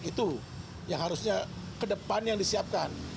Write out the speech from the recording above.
itu yang harusnya ke depan yang disiapkan